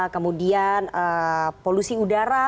kemudian polusi udara